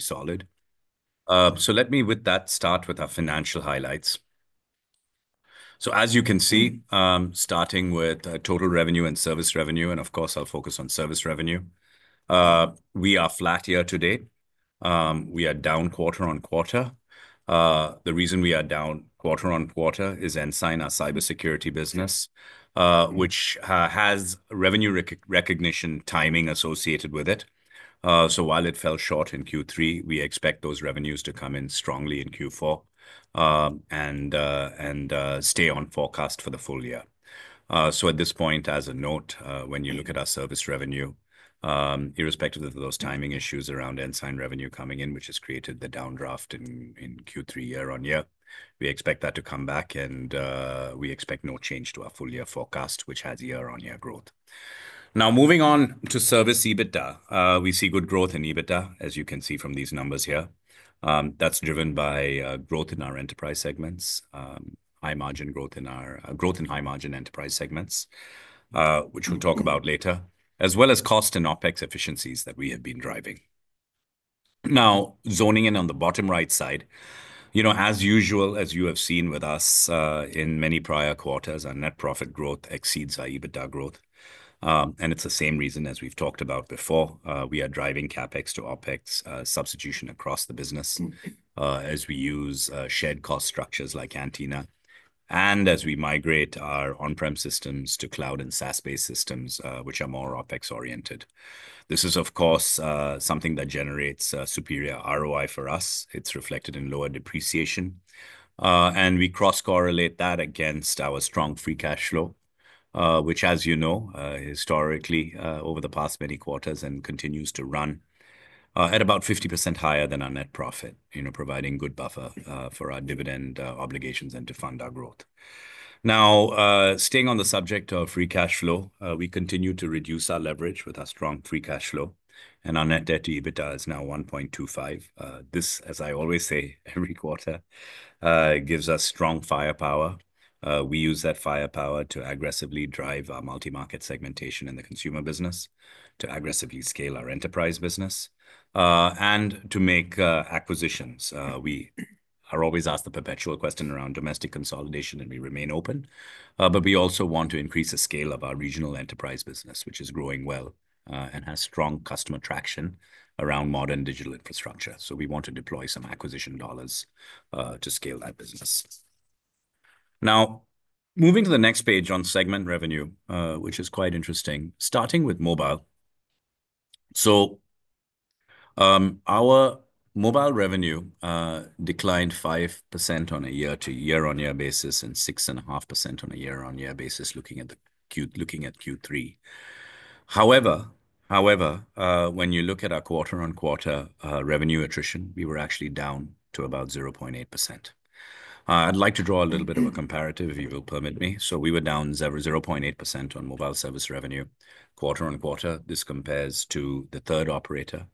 So let me with that start with our financial highlights. So, as you can see, starting with total revenue and service revenue, and of course I'll focus on service revenue. We are flat year to date. We are down quarter-on-quarter. The reason we are down quarter-on-quarter is Ensign, our cybersecurity business, which has revenue recognition timing associated with it. So while it fell short in Q3, we expect those revenues to come in strongly in Q4 and stay on forecast for the full year. So at this point, as a note, when you look at our service revenue, irrespective of those timing issues around Ensign revenue coming in, which has created the downdraft in Q3 year-on-year, we expect that to come back, and we expect no change to our full year forecast, which has year-on-year growth. Now, moving on to service EBITDA, we see good growth in EBITDA, as you can see from these numbers here. That's driven by growth in our high margin enterprise segments, which we'll talk about later, as well as cost and OpEx efficiencies that we have been driving. Now, zooming in on the bottom right side, you know, as usual, as you have seen with us, in many prior quarters, our net profit growth exceeds our EBITDA growth. It's the same reason as we've talked about before. We are driving CapEx to OpEx substitution across the business, as we use shared cost structures like Antina, and as we migrate our On-Prem systems to cloud and SaaS-based systems, which are more OpEx oriented. This is, of course, something that generates superior ROI for us. It's reflected in lower depreciation. And we cross correlate that against our strong free cash flow, which, as you know, historically, over the past many quarters and continues to run, at about 50% higher than our net profit, you know, providing good buffer, for our dividend, obligations and to fund our growth. Now, staying on the subject of free cash flow, we continue to reduce our leverage with our strong free cash flow, and our net debt to EBITDA is now 1.25x. This, as I always say every quarter, gives us strong firepower. We use that firepower to aggressively drive our multi-market segmentation in the consumer business, to aggressively scale our enterprise business, and to make acquisitions. We are always asked the perpetual question around domestic consolidation, and we remain open. But we also want to increase the scale of our regional enterprise business, which is growing well, and has strong customer traction around modern digital infrastructure. So we want to deploy some acquisition dollars to scale that business. Now, moving to the next page on segment revenue, which is quite interesting, starting with Mobile. So, our Mobile revenue declined 5% on a year-on-year basis and 6.5% on a year-on-year basis, looking at Q3. However, when you look at our quarter-on-quarter revenue attrition, we were actually down to about 0.8%. I'd like to draw a little bit of a comparative, if you will permit me. So we were down 0.8% on Mobile service revenue quarter-on-quarter. This compares to the third operator,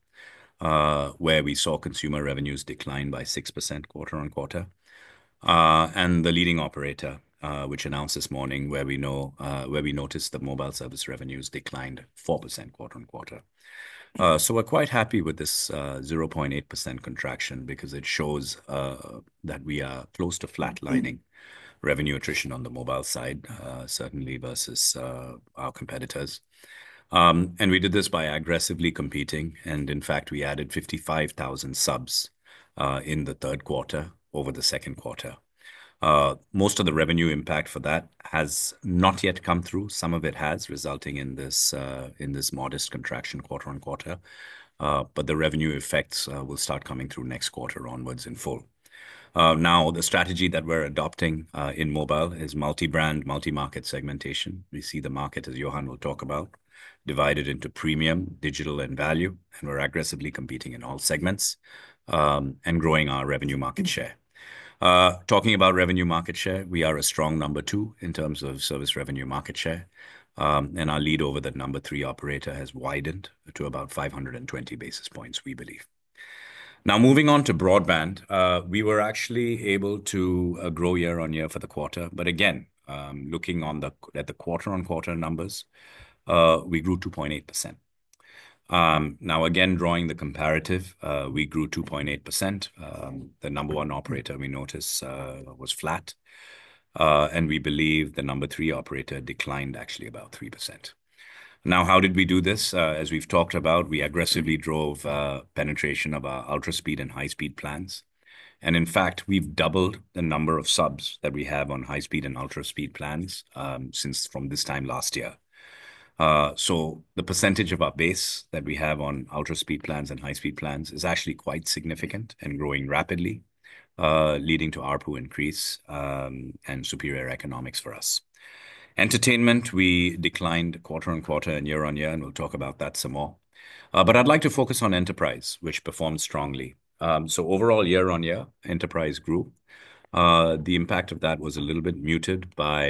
where we saw consumer revenues decline by 6% quarter-on-quarter, and the leading operator, which announced this morning where we know, where we noticed that mobile service revenues declined 4% quarter-on-quarter, so we're quite happy with this 0.8% contraction because it shows that we are close to flatlining revenue attrition on the Mobile side, certainly versus our competitors, and we did this by aggressively competing, and in fact, we added 55,000 subs in the third quarter over the second quarter. Most of the revenue impact for that has not yet come through. Some of it has resulted in this, in this modest contraction quarter-on-quarter, but the revenue effects will start coming through next quarter onwards in full, now the strategy that we're adopting in mobile is multi-brand, multi-market segmentation. We see the market, as Johan will talk about, divided into Premium, Digital, and Value, and we're aggressively competing in all segments, and growing our revenue market share. Talking about revenue market share, we are a strong number two in terms of service revenue market share, and our lead over that number three operator has widened to about 520 basis points, we believe. Now, moving on to Broadband, we were actually able to grow year-on-year for the quarter, but again, looking at the quarter-on-quarter numbers, we grew 2.8%. Now again, drawing the comparative, we grew 2.8%. The number one operator we noticed was flat, and we believe the number three operator declined actually about 3%. Now, how did we do this? As we've talked about, we aggressively drove penetration of our UltraSpeed and high-speed plans. In fact, we've doubled the number of subs that we have on high-speed and UltraSpeed plans, since from this time last year. The percentage of our base that we have on UltraSpeed plans and high-speed plans is actually quite significant and growing rapidly, leading to our ARPU increase, and superior economics for us. Entertainment declined quarter-on-quarter and year-on-year, and we'll talk about that some more. I'd like to focus on Enterprise, which performed strongly. Overall year-on-year, Enterprise grew. The impact of that was a little bit muted by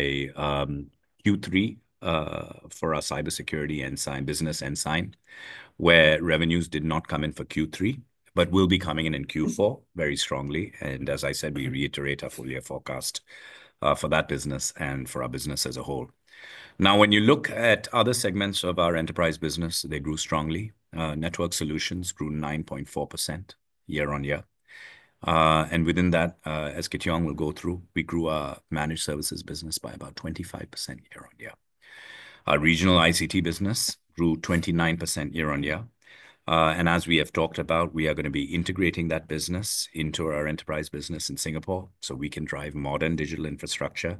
Q3 for our Cybersecurity Business, Ensign, where revenues did not come in for Q3, but will be coming in in Q4 very strongly. As I said, we reiterate our full year forecast for that business and for our business as a whole. Now, when you look at other segments of our Enterprise business, they grew strongly. Network Solutions grew 9.4% year-on-year, and within that, as Kit Yong will go through, we grew our Managed Services Business by about 25% year-on-year. Our Regional ICT Business grew 29% year-on-year, and as we have talked about, we are going to be integrating that business into our Enterprise business in Singapore so we can drive modern digital infrastructure,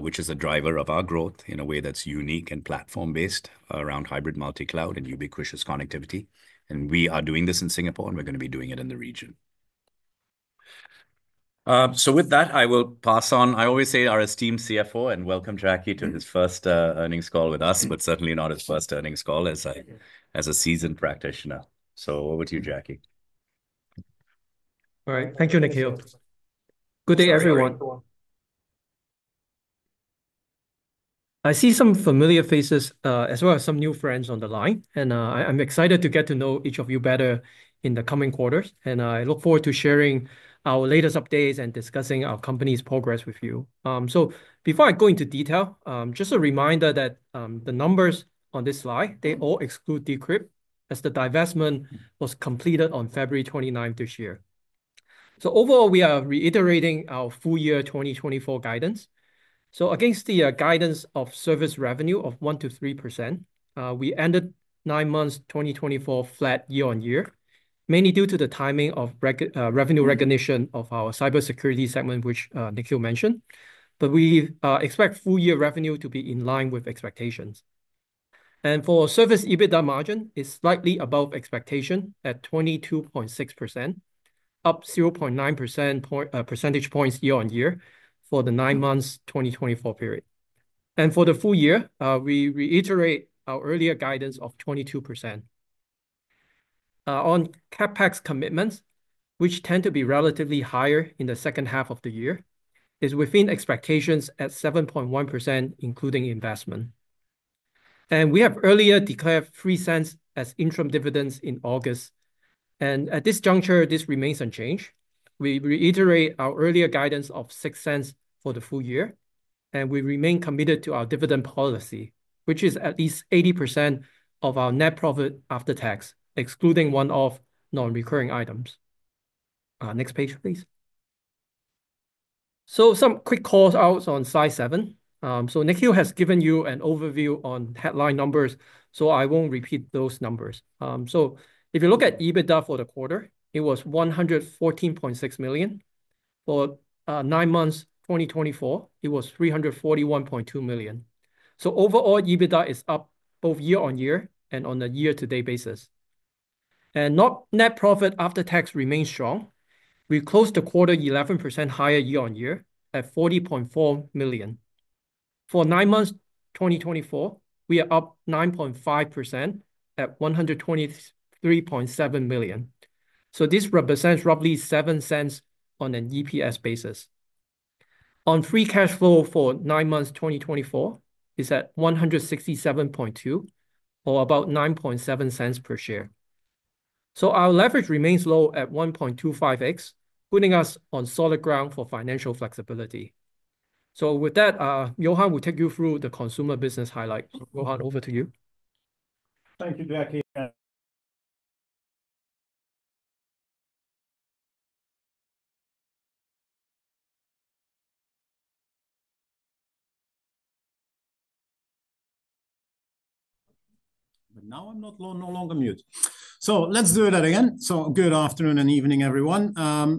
which is a driver of our growth in a way that's unique and platform based around hybrid multi-cloud and ubiquitous connectivity. We are doing this in Singapore, and we're going to be doing it in the region, so with that, I will pass on. I always say our esteemed CFO and welcome Jacky to his first earnings call with us, but certainly not his first earnings call as a, as a seasoned practitioner. So over to you, Jacky. All right. Thank you, Nikhil. Good day, everyone. I see some familiar faces, as well as some new friends on the line, and I'm excited to get to know each of you better in the coming quarters, and I look forward to sharing our latest updates and discussing our company's progress with you. So before I go into detail, just a reminder that the numbers on this slide, they all exclude D'Crypt as the divestment was completed on February 29th this year. So overall, we are reiterating our full year 2024 guidance. So against the guidance of Service revenue of 1%-3%, we ended nine months 2024 flat year-on-year, mainly due to the timing of recurring revenue recognition of our cybersecurity segment, which Nikhil mentioned, but we expect full year revenue to be in line with expectations. And for Service EBITDA margin, it's slightly above expectation at 22.6%, up 0.9 percentage points year-on-year for the nine months 2024 period. And for the full year, we reiterate our earlier guidance of 22%. On CapEx commitments, which tend to be relatively higher in the second half of the year, is within expectations at 7.1%, including investment. And we have earlier declared 0.03 as interim dividends in August. And at this juncture, this remains unchanged. We reiterate our earlier guidance of 0.06 for the full year, and we remain committed to our dividend policy, which is at least 80% of our net profit after tax, excluding one-off non-recurring items. Next page, please. So some quick callouts on slide seven. So Nikhil has given you an overview on headline numbers, so I won't repeat those numbers. So if you look at EBITDA for the quarter, it was 114.6 million. For nine months 2024, it was 341.2 million. So overall, EBITDA is up both year-on-year and on a year-to-date basis. Net profit after tax remains strong. We closed the quarter 11% higher year-on-year at 40.4 million. For nine months 2024, we are up 9.5% at 123.7 million. This represents roughly 0.07 on an EPS basis. On free cash flow for nine months 2024, it is at 167.2 or about 0.0907 per share. Our leverage remains low at 1.25x, putting us on solid ground for financial flexibility. With that, Johan will take you through the Consumer business highlights. Johan, over to you. Thank you, Jacky. But now I am no longer mute. Let's do that again. Good afternoon and evening, everyone.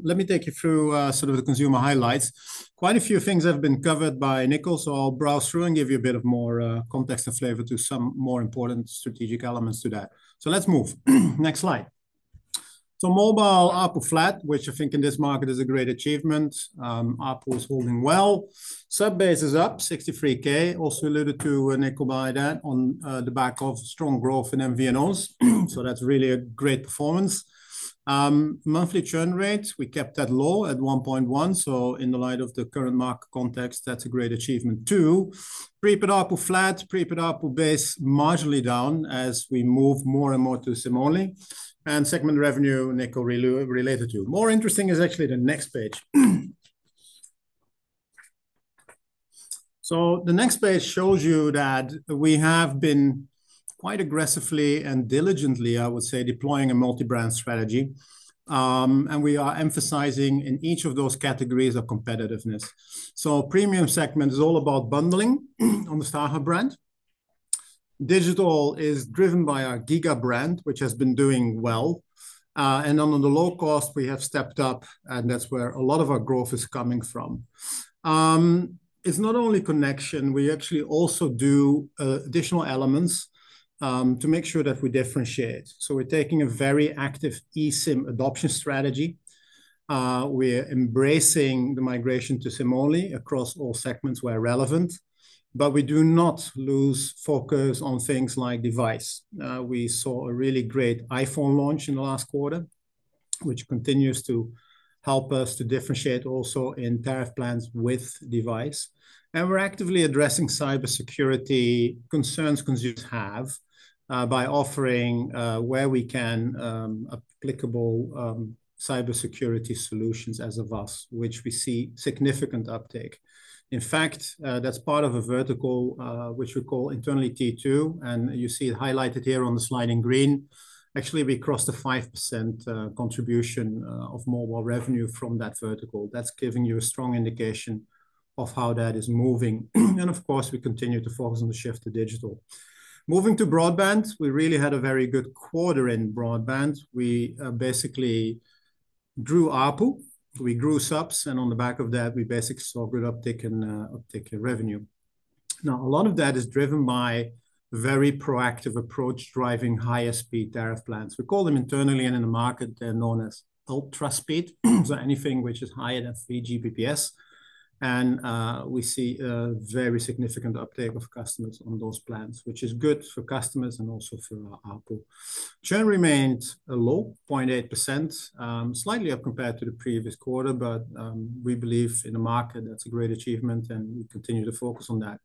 Let me take you through, sort of the Consumer highlights. Quite a few things have been covered by Nikhil, so I'll browse through and give you a bit more, context and flavor to some more important strategic elements to that. So let's move. Next slide. So Mobile up or flat, which I think in this market is a great achievement. Apple is holding well. Sub base is up 63k, also alluded to by Nikhil on the back of strong growth in MVNOs. So that's really a great performance. Monthly churn rate, we kept that low at 1.1%. So in the light of the current market context, that's a great achievement too. Prepaid ARPU flat, Prepaid ARPU base marginally down as we move more and more to SIM-only and segment revenue, Nikhil related to. More interesting is actually the next page. So the next page shows you that we have been quite aggressively and diligently, I would say, deploying a multi-brand strategy. And we are emphasizing in each of those categories of competitiveness. So Premium segment is all about bundling on the StarHub brand. Digital is driven by our giga! brand, which has been doing well. And then on the low cost, we have stepped up, and that's where a lot of our growth is coming from. It's not only connection, we actually also do additional elements to make sure that we differentiate. So we're taking a very active eSIM adoption strategy. We're embracing the migration to SIM-only across all segments where relevant, but we do not lose focus on things like device. We saw a really great iPhone launch in the last quarter, which continues to help us to differentiate also in tariff plans with device. We're actively addressing cybersecurity concerns consumers have by offering, where we can, applicable cybersecurity solutions from us, which we see significant uptake. In fact, that's part of a vertical, which we call internally T2, and you see it highlighted here on the slide in green. Actually, we crossed the 5% contribution of Mobile revenue from that vertical. That's giving you a strong indication of how that is moving. Of course, we continue to focus on the shift to Digital. Moving to Broadband, we really had a very good quarter in Broadband. We basically grew ARPU, we grew subs, and on the back of that, we basically saw good uptake and uptake in revenue. Now, a lot of that is driven by a very proactive approach driving higher speed tariff plans. We call them internally and in the market; they're known as UltraSpeed. So anything which is higher than 3 Gbps. And we see a very significant uptake of customers on those plans, which is good for customers and also for our ARPU. Churn remained low, 0.8%, slightly up compared to the previous quarter, but we believe in the market that's a great achievement and we continue to focus on that.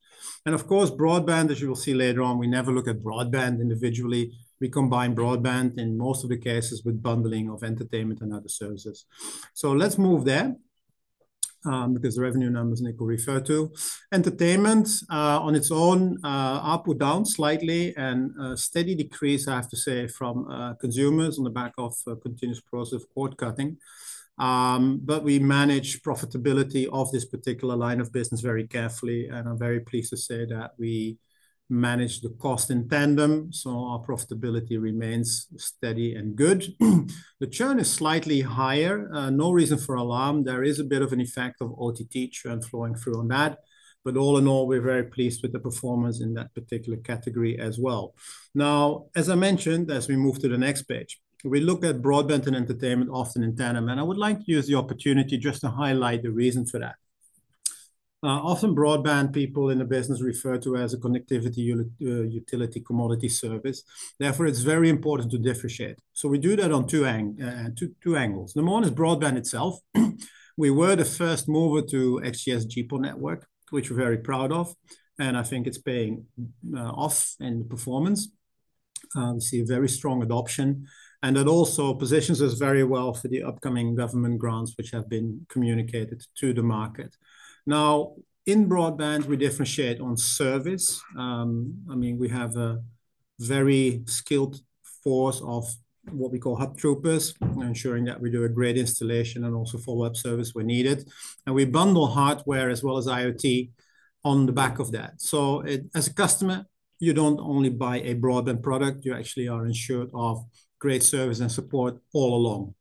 And of course, Broadband, as you will see later on, we never look at Broadband individually. We combine Broadband in most of the cases with bundling of Entertainment and other services. So let's move there, because the revenue numbers Nikhil referred to. Entertainment, on its own, up or down slightly and a steady decrease, I have to say, from consumers on the back of a continuous process of cost cutting. But we manage profitability of this particular line of business very carefully, and I'm very pleased to say that we manage the cost in tandem. So our profitability remains steady and good. The churn is slightly higher. No reason for alarm. There is a bit of an effect of OTT churn flowing through on that, but all in all, we're very pleased with the performance in that particular category as well. Now, as I mentioned, as we move to the next page, we look at Broadband and Entertainment often in tandem, and I would like to use the opportunity just to highlight the reason for that. Often broadband people in the business refer to as a connectivity, utility commodity service. Therefore, it's very important to differentiate. So we do that on two angles, two angles. Number one is Broadband itself. We were the first mover to XGS-PON network, which we're very proud of, and I think it's paying off in the performance. We see a very strong adoption, and that also positions us very well for the upcoming government grants, which have been communicated to the market. Now, in broadband, we differentiate on service. I mean, we have a very skilled force of what we call Hub Troopers, ensuring that we do a great installation and also follow-up service where needed, and we bundle hardware as well as IoT on the back of that, so as a customer, you don't only buy a Broadband product, you actually are ensured of great service and support all along,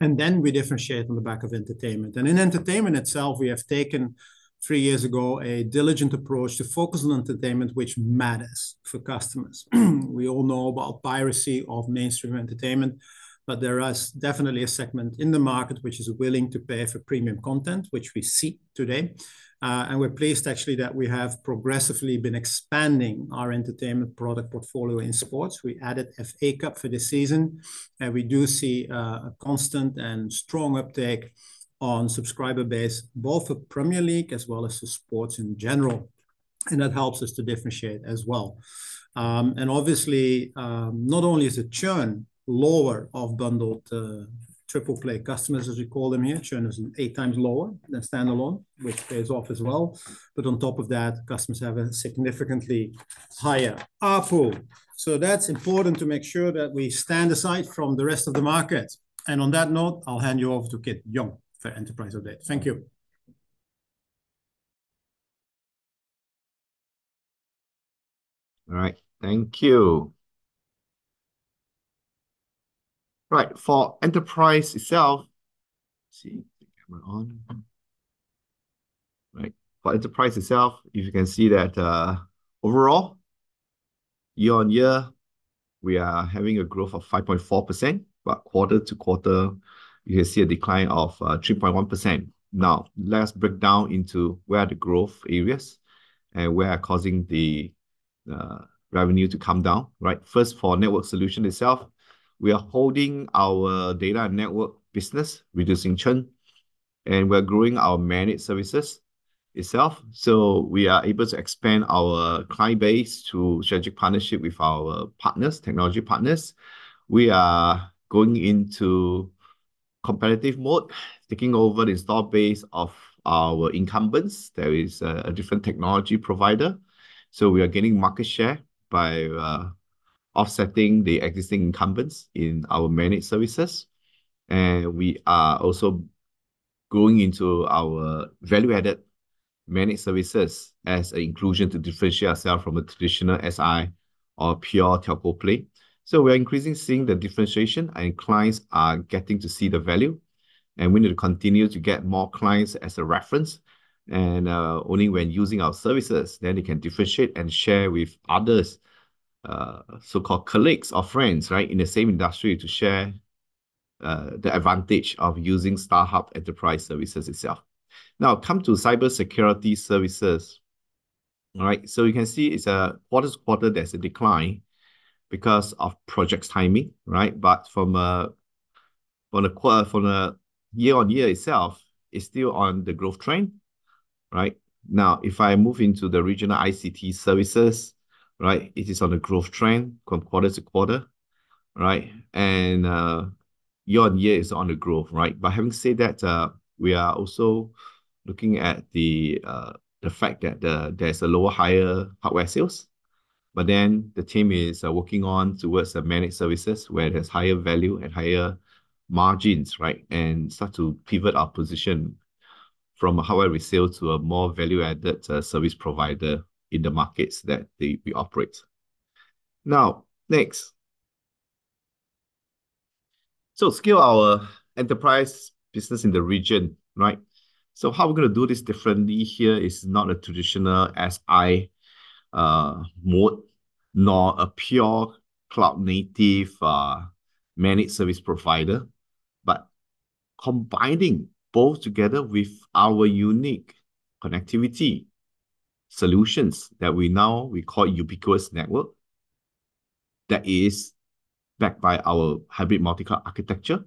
and then we differentiate on the back of Entertainment, and in Entertainment itself, we have taken three years ago a diligent approach to focus on Entertainment, which matters for customers. We all know about piracy of mainstream entertainment, but there is definitely a segment in the market which is willing to pay for premium content, which we see today, and we're pleased actually that we have progressively been expanding our Entertainment product portfolio in sports. We added FA Cup for this season, and we do see a constant and strong uptake on subscriber base, both for Premier League as well as for sports in general, and that helps us to differentiate as well, and obviously, not only is the churn lower of bundled, triple play customers, as we call them here, churn is eight times lower than standalone, which pays off as well, but on top of that, customers have a significantly higher ARPU. So that's important to make sure that we stand apart from the rest of the market. And on that note, I'll hand you over to Kit Yong for Enterprise update. Thank you. All right. Thank you. Right. For Enterprise itself, see the camera on. Right. For Enterprise itself, if you can see that, overall year on year, we are having a growth of 5.4%, but quarter to quarter, you can see a decline of 3.1%. Now, let's break down into where the growth areas and where causing the revenue to come down. Right. First, for Network Solution itself, we are holding our Data and Network business, reducing churn, and we're growing our Managed Services itself. So we are able to expand our client base to strategic partnership with our partners, technology partners. We are going into competitive mode, taking over the install base of our incumbents. There is a different technology provider. So we are getting market share by offsetting the existing incumbents in our managed services. We are also going into our value-added managed services as an inclusion to differentiate ourselves from a traditional SI or pure telco play. So we're increasingly seeing the differentiation and clients are getting to see the value. We need to continue to get more clients as a reference. And only when using our services, then they can differentiate and share with others, so-called colleagues or friends, right, in the same industry to share the advantage of using StarHub Enterprise services itself. Now, come to Cybersecurity services. All right. So you can see it's a quarter to quarter, there's a decline because of project timing, right? But from a year on year itself, it's still on the growth trend, right? Now, if I move into the regional ICT services, right, it is on the growth trend from quarter to quarter, right? And year-on-year is on the growth, right? But having said that, we are also looking at the fact that there's a lower higher hardware sales, but then the team is working on towards the managed services where there's higher value and higher margins, right? And start to pivot our position from a hardware resale to a more value-added service provider in the markets that we operate. Now, next. So scale our Enterprise business in the region, right? So how we're going to do this differently here is not a traditional SI mode, nor a pure cloud native managed service provider, but combining both together with our unique connectivity solutions that we now call Ubiquitous Network, that is backed by our Hybrid Multi-Cloud architecture.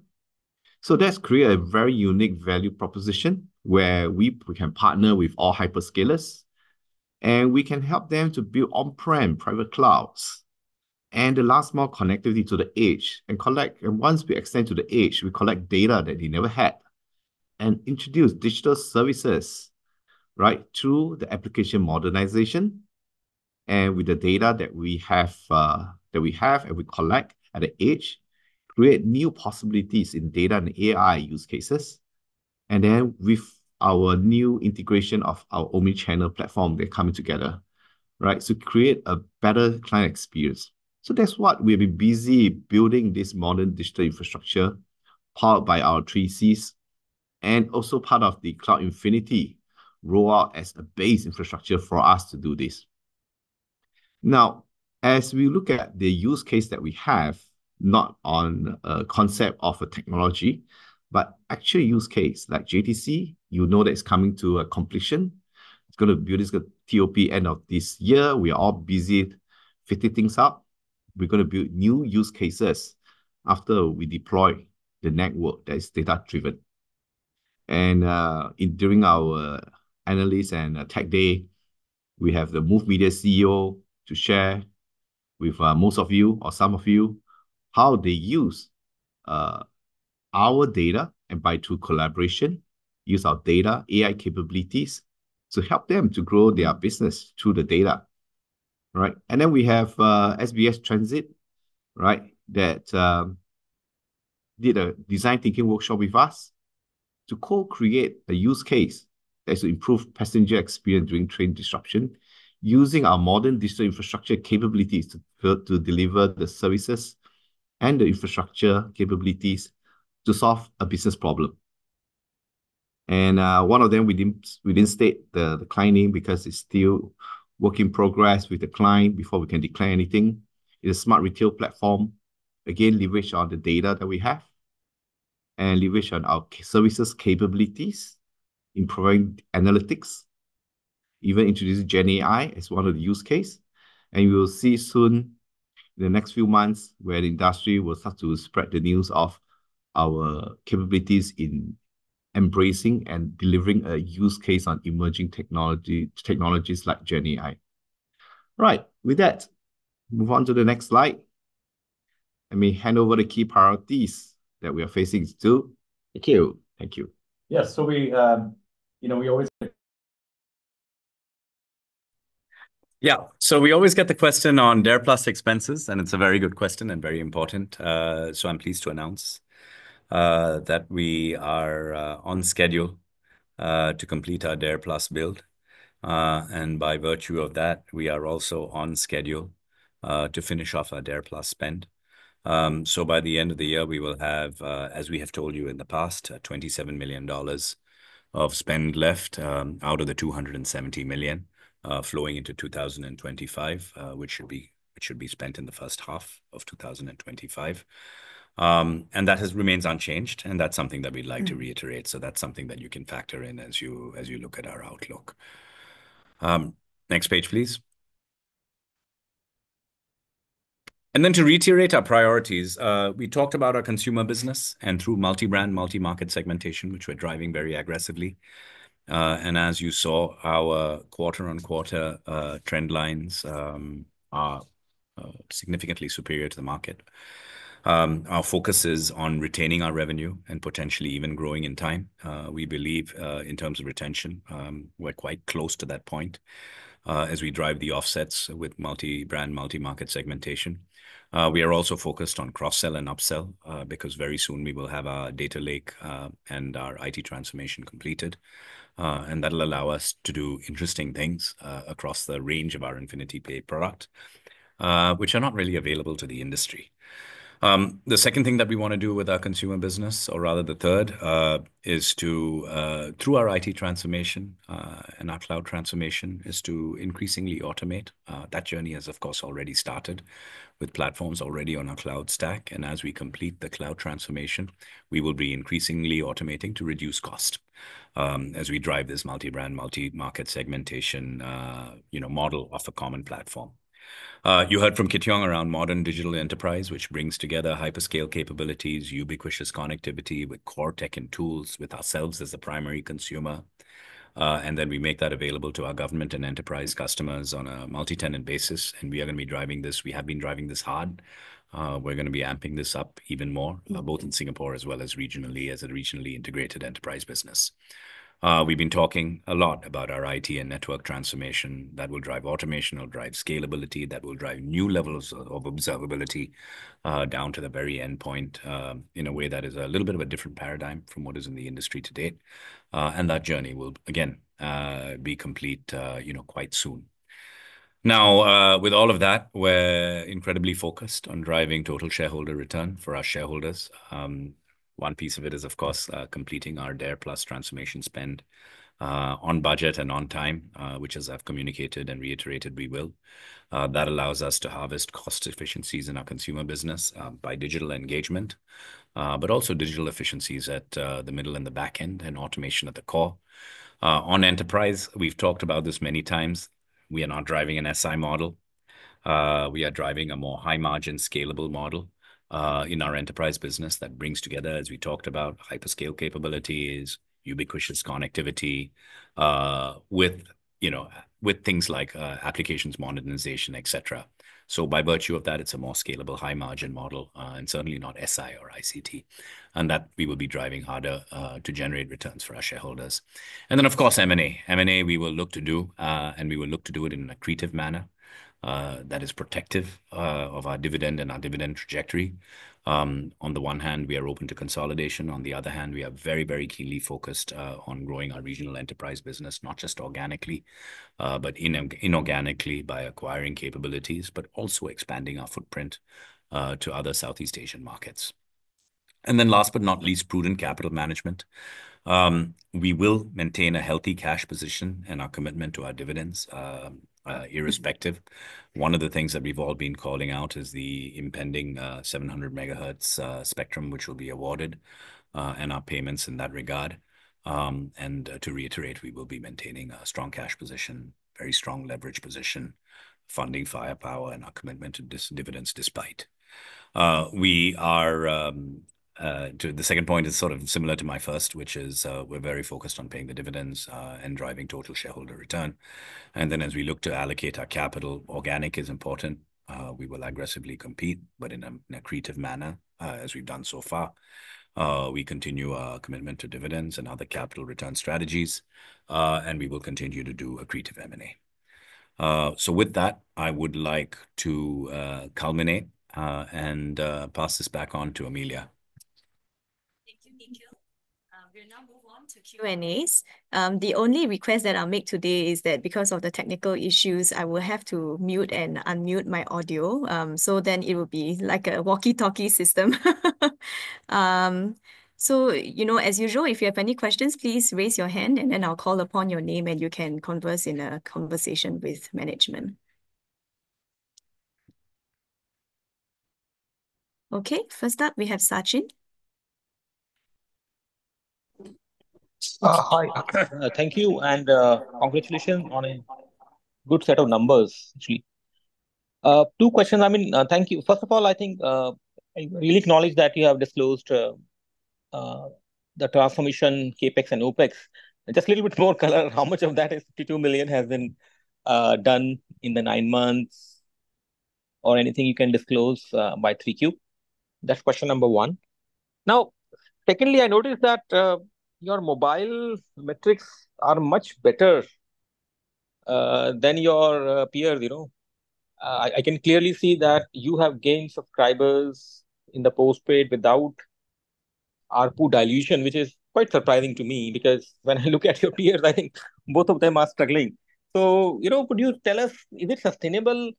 So that's created a very unique value proposition where we can partner with all hyperscalers and we can help them to build On-Prem private clouds. And the last mode, connectivity to the edge and collect, and once we extend to the edge, we collect data that they never had and introduce digital services, right, through the application modernization and with the data that we have and we collect at the edge, create new possibilities in data and AI use cases. And then with our new integration of our Omni Channel platform, they're coming together, right? So create a better client experience. So that's what we've been busy building this modern digital infrastructure powered by our three C's and also part of the Cloud Infinity rollout as a base infrastructure for us to do this. Now, as we look at the use case that we have, not on a concept of a technology, but actual use case like JTC, you know that it's coming to a completion. It's going to build its TOP end of this year. We are all busy fitting things up. We're going to build new use cases after we deploy the network that is data driven. During our Analyst and Tech Day, we have the Moove Media CEO to share with most of you or some of you how they use our data and buy through collaboration, use our data AI capabilities to help them to grow their business through the data. Right. And then we have SBS Transit, right, that did a design thinking workshop with us to co-create a use case that is to improve passenger experience during train disruption using our modern digital infrastructure capabilities to deliver the services and the infrastructure capabilities to solve a business problem. And one of them, we cannot state the client name because it's still work in progress with the client before we can declare anything. It's a smart retail platform, again, leveraged on the data that we have and leveraged on our services capabilities, improving analytics, even introducing Gen AI as one of the use cases. And you will see soon in the next few months where the industry will start to spread the news of our capabilities in embracing and delivering a use case on emerging technologies like Gen AI. Right. With that, move on to the next slide. Let me hand over the key priorities that we are facing to Nikhil. Thank you. Yeah. So we, you know, we always get. Yeah. So we always get the question on DARE+ expenses, and it's a very good question and very important. So I'm pleased to announce that we are on schedule to complete our DARE+ build. And by virtue of that, we are also on schedule to finish off our DARE+ spend. So by the end of the year, we will have, as we have told you in the past, 27 million dollars of spend left, out of the 270 million, flowing into 2025, which should be spent in the first half of 2025. And that has remained unchanged, and that's something that we'd like to reiterate. So that's something that you can factor in as you look at our outlook. Next page, please. And then, to reiterate our priorities, we talked about our Consumer business and, through multi-brand, multi-market segmentation, which we're driving very aggressively. As you saw, our quarter-on-quarter trend lines are significantly superior to the market. Our focus is on retaining our revenue and potentially even growing in time. We believe, in terms of retention, we're quite close to that point, as we drive the offsets with multi-brand, multi-market segmentation. We are also focused on cross-sell and upsell, because very soon we will have our data lake and our IT transformation completed. And that'll allow us to do interesting things across the range of our Infinity Play product, which are not really available to the industry. The second thing that we want to do with our consumer business, or rather the third, is to, through our IT transformation and our cloud transformation, increasingly automate. That journey has, of course, already started with platforms already on our cloud stack, and as we complete the cloud transformation, we will be increasingly automating to reduce cost, as we drive this multi-brand, multi-market segmentation, you know, model of a common platform. You heard from Kit Yong around modern digital enterprise, which brings together hyperscale capabilities, ubiquitous connectivity with core tech and tools with ourselves as the primary consumer, and then we make that available to our government and enterprise customers on a multi-tenant basis, and we are going to be driving this. We have been driving this hard. We're going to be amping this up even more, both in Singapore as well as regionally, as a regionally integrated enterprise business. We've been talking a lot about our IT and network transformation that will drive automation, will drive scalability, that will drive new levels of observability, down to the very end point, in a way that is a little bit of a different paradigm from what is in the industry to date. And that journey will again be complete, you know, quite soon. Now, with all of that, we're incredibly focused on driving total shareholder return for our shareholders. One piece of it is, of course, completing our DARE+ transformation spend on budget and on time, which, as I've communicated and reiterated, we will. That allows us to harvest cost efficiencies in our Consumer business by digital engagement, but also digital efficiencies at the middle and the back end and automation at the core. On Enterprise, we've talked about this many times. We are not driving an SI model. We are driving a more high margin scalable model in our Enterprise business that brings together, as we talked about, hyperscale capabilities, ubiquitous connectivity, with, you know, with things like applications modernization, et cetera, so by virtue of that, it's a more scalable high margin model, and certainly not SI or ICT, and that we will be driving harder to generate returns for our shareholders, and then, of course, M&A. M&A, we will look to do, and we will look to do it in an accretive manner that is protective of our dividend and our dividend trajectory. On the one hand, we are open to consolidation. On the other hand, we are very, very keenly focused on growing our regional enterprise business, not just organically, but inorganically by acquiring capabilities, but also expanding our footprint to other Southeast Asian markets, and then last but not least, prudent capital management. We will maintain a healthy cash position and our commitment to our dividends, irrespective. One of the things that we've all been calling out is the impending 700 MHz spectrum, which will be awarded, and our payments in that regard. To reiterate, we will be maintaining a strong cash position, very strong leverage position, funding firepower and our commitment to dividends despite. We are to the second point is sort of similar to my first, which is, we're very focused on paying the dividend, and driving total shareholder return. Then as we look to allocate our capital, organic is important. We will aggressively compete, but in an accretive manner, as we've done so far. We continue our commitment to dividends and other capital return strategies, and we will continue to do accretive M&A. With that, I would like to culminate and pass this back on to Amelia. Thank you, Nikhil. We'll now move on to Q&As. The only request that I'll make today is that because of the technical issues, I will have to mute and unmute my audio, so then it will be like a walkie-talkie system, so, you know, as usual, if you have any questions, please raise your hand and then I'll call upon your name and you can converse in a conversation with management. Okay, first up, we have Sachin. Hi, thank you, and congratulations on a good set of numbers, actually. Two questions. I mean, thank you. First of all, I think, I really acknowledge that you have disclosed the transformation CapEx and OpEx. Just a little bit more color, how much of that 52 million has been done in the nine months or anything you can disclose by 3Q. That's question number one. Now, secondly, I noticed that your Mobile metrics are much better than your peers, you know. I can clearly see that you have gained subscribers in the postpaid without ARPU dilution, which is quite surprising to me because when I look at your peers, I think both of them are struggling, so you know, could you tell us is it sustainable,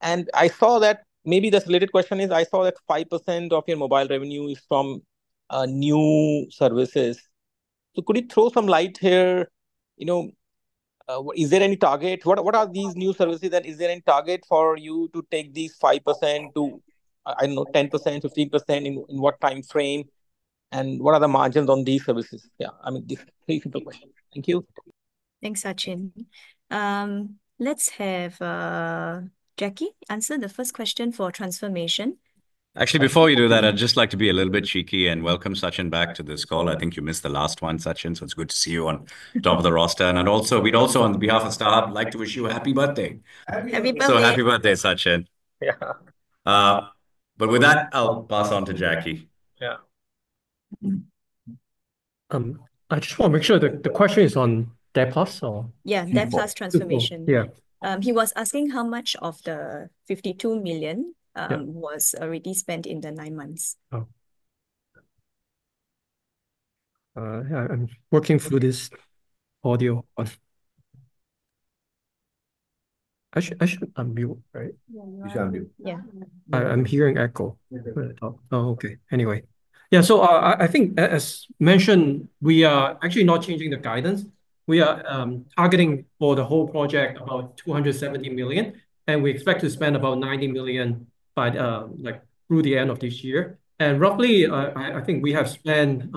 and I saw that maybe the related question is, I saw that 5% of your Mobile revenue is from new services. So could you throw some light here, you know, is there any target? What are these new services and is there any target for you to take these 5% to, I don't know, 10%, 15% in what time frame and what are the margins on these services? Yeah, I mean, these three simple questions. Thank you. Thanks, Sachin. Let's have Jacky answer the first question for transformation. Actually, before you do that, I'd just like to be a little bit cheeky and welcome Sachin back to this call. I think you missed the last one, Sachin, so it's good to see you on top of the roster, and also, we'd also, on behalf of StarHub, like to wish you a happy birthday. Happy birthday. Happy birthday, Sachin. Yeah. But with that, I'll pass on to Jacky. Yeah. I just want to make sure that the question is on DARE+ or? Yeah, DARE+ transformation. Yeah. He was asking how much of the 52 million was already spent in the nine months. Oh, yeah. I'm working through this audio on. I should, I should unmute, right? You should unmute. Yeah. I'm hearing echo. Oh, okay. Anyway. Yeah. So, I think, as mentioned, we are actually not changing the guidance. We are targeting for the whole project about 270 million, and we expect to spend about 90 million by, like, through the end of this year. And roughly, I think we have spent,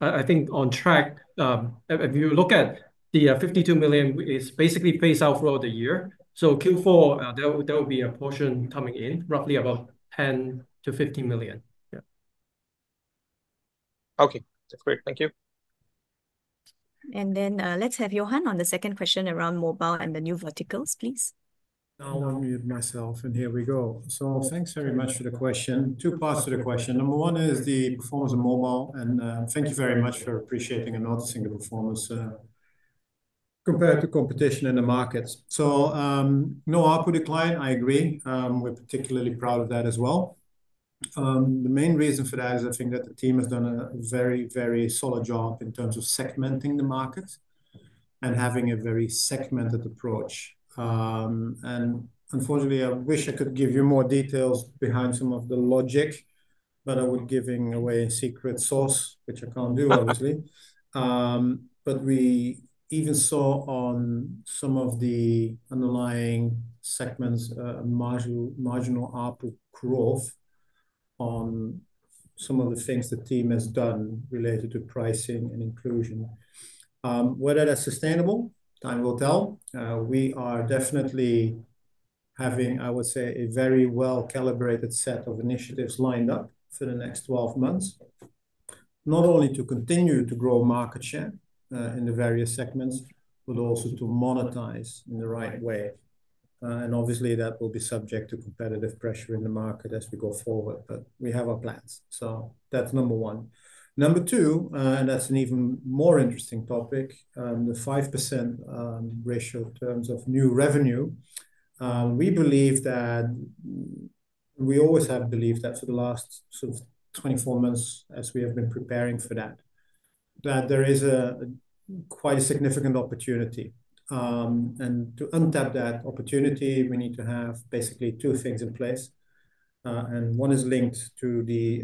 I think on track, if you look at the 52 million; it's basically paid out throughout the year. So Q4, there will be a portion coming in, roughly about 10 million-15 million. Yeah. Okay. That's great. Thank you. And then, let's have Johan on the second question around Mobile and the new verticals, please. Now I'll unmute myself and here we go. So thanks very much for the question. Two parts to the question. Number one is the performance of Mobile. And, thank you very much for appreciating and noticing the performance, compared to competition in the markets. So, no ARPU decline. I agree. We're particularly proud of that as well. The main reason for that is I think that the team has done a very, very solid job in terms of segmenting the markets and having a very segmented approach. And unfortunately, I wish I could give you more details behind some of the logic, but I would giving away a secret sauce, which I can't do, obviously. But we even saw on some of the underlying segments, marginal, marginal ARPU growth on some of the things the team has done related to pricing and inclusion. Whether that's sustainable, time will tell. We are definitely having, I would say, a very well-calibrated set of initiatives lined up for the next 12 months, not only to continue to grow market share, in the various segments, but also to monetize in the right way, and obviously that will be subject to competitive pressure in the market as we go forward, but we have our plans, so that's number one. Number two, and that's an even more interesting topic, the 5% ratio in terms of new revenue. We believe that we always have believed that for the last sort of 24 months, as we have been preparing for that, that there is quite a significant opportunity, and to untap that opportunity, we need to have basically two things in place. And one is linked to the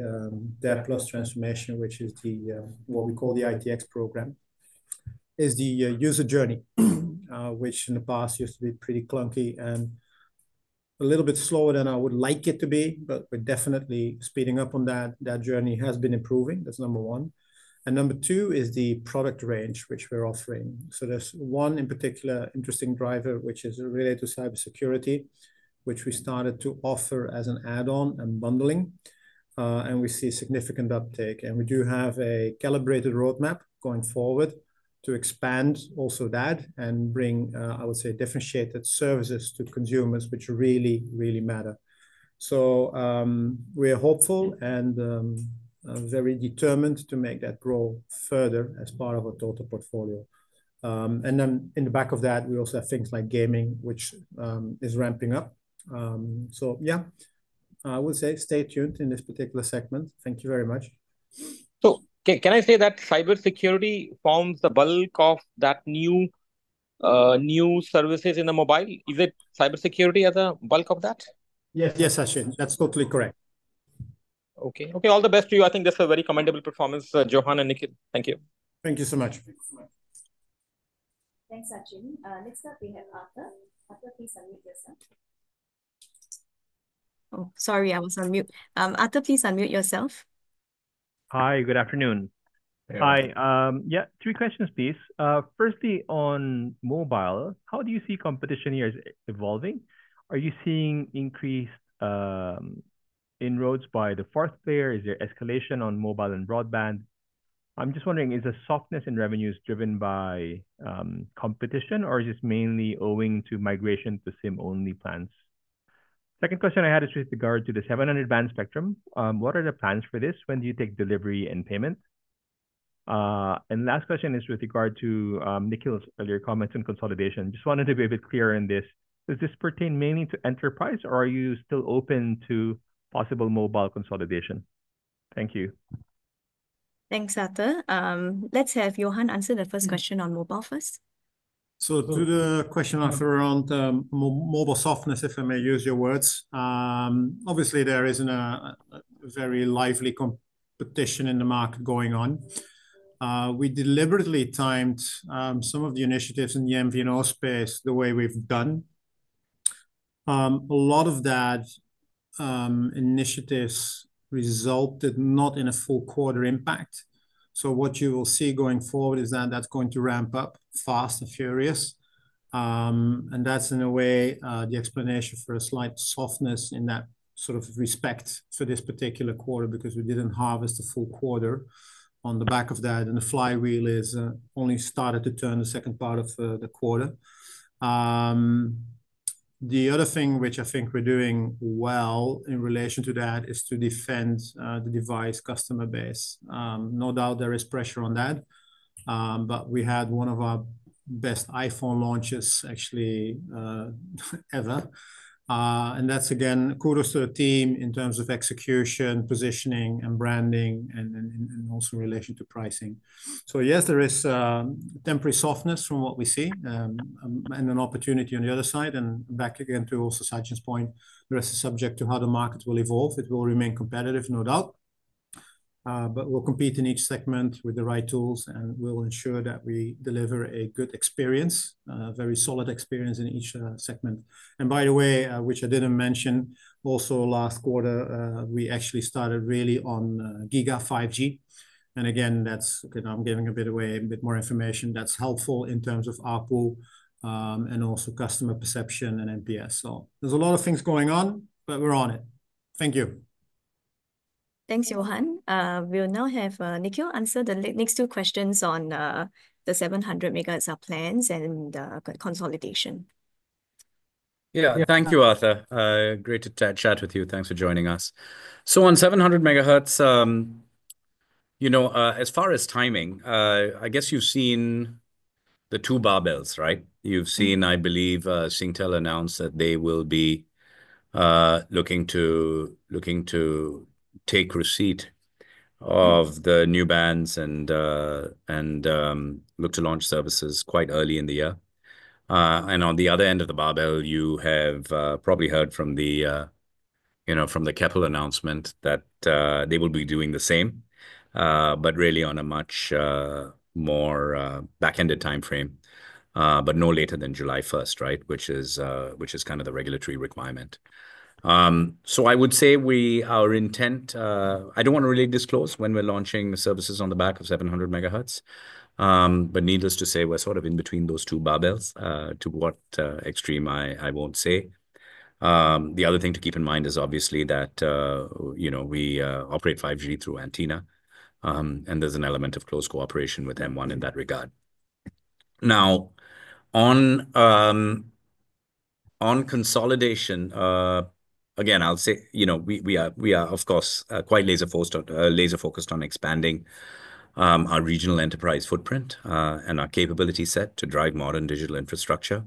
DARE+ transformation, which is the—what we call the ITX program—is the user journey, which in the past used to be pretty clunky and a little bit slower than I would like it to be, but we're definitely speeding up on that. That journey has been improving. That's number one. And number two is the product range, which we're offering. So there's one in particular interesting driver, which is related to Cybersecurity, which we started to offer as an add-on and bundling, and we see significant uptake. And we do have a calibrated roadmap going forward to expand also that and bring, I would say, differentiated services to consumers, which really, really matter. So, we are hopeful and very determined to make that grow further as part of our total portfolio. And then in the back of that, we also have things like gaming, which is ramping up. So yeah, I would say stay tuned in this particular segment. Thank you very much. So can I say that Cybersecurity forms the bulk of that new services in the Mobile? Is it Cybersecurity as a bulk of that? Yes. Yes, Sachin. That's totally correct. Okay. Okay. All the best to you. I think this is a very commendable performance, Johan and Nikhil. Thank you. Thank you so much. Thanks, Sachin. Next up, we have Arthur. Arthur, please unmute yourself. Oh, sorry, I was on mute. Arthur, please unmute yourself. Hi, good afternoon. Hi. Yeah, three questions, please. Firstly, on Mobile, how do you see competition here evolving? Are you seeing increased inroads by the fourth player? Is there escalation on Mobile and Broadband? I'm just wondering, is the softness in revenues driven by competition, or is this mainly owing to migration to SIM-only plans? Second question I had is with regard to the 700 band spectrum. What are the plans for this? When do you take delivery and payment? And last question is with regard to Nikhil's earlier comments on consolidation. Just wanted to be a bit clearer in this. Does this pertain mainly to Enterprise, or are you still open to possible Mobile consolidation? Thank you. Thanks, Arthur. Let's have Johan answer the first question on Mobile first. So, to the question, Arthur, around Mobile softness, if I may use your words, obviously there isn't a very lively competition in the market going on. We deliberately timed some of the initiatives in the MVNO space the way we've done. A lot of those initiatives resulted not in a full quarter impact, so what you will see going forward is that that's going to ramp up fast and furious, and that's in a way the explanation for a slight softness in that sort of respect for this particular quarter because we didn't harvest the full quarter on the back of that, and the flywheel only started to turn in the second part of the quarter. The other thing which I think we're doing well in relation to that is to defend the device customer base. No doubt there is pressure on that. But we had one of our best iPhone launches actually, ever. And that's again, kudos to the team in terms of execution, positioning, and branding, and also in relation to pricing. So yes, there is temporary softness from what we see, and an opportunity on the other side. And back again to also Sachin's point, the rest is subject to how the market will evolve. It will remain competitive, no doubt. But we'll compete in each segment with the right tools, and we'll ensure that we deliver a good experience, very solid experience in each segment. And by the way, which I didn't mention, also last quarter, we actually started really on giga! 5G. And again, that's, you know, I'm giving a bit away, a bit more information that's helpful in terms of ARPU, and also customer perception and NPS. So there's a lot of things going on, but we're on it. Thank you. Thanks, Johan. We'll now have Nikhil answer the next two questions on the 700 MHz upgrade plans and consolidation. Yeah, thank you, Arthur. Great to chat with you. Thanks for joining us. So on 700 MHz, you know, as far as timing, I guess you've seen the two barbells, right? You've seen, I believe, Singtel announce that they will be looking to take receipt of the new bands and look to launch services quite early in the year. And on the other end of the barbell, you have probably heard from the, you know, from the Keppel announcement that they will be doing the same, but really on a much more back-ended timeframe, but no later than July 1st, right? Which is kind of the regulatory requirement. So I would say we, our intent, I don't want to really disclose when we're launching the services on the back of 700 MHz. But needless to say, we're sort of in between those two barbells, to what extreme, I won't say. The other thing to keep in mind is obviously that, you know, we operate 5G through Antina. And there's an element of close cooperation with M1 in that regard. Now, on consolidation, again, I'll say, you know, we are of course quite laser focused, laser focused on expanding our regional enterprise footprint, and our capability set to drive modern digital infrastructure.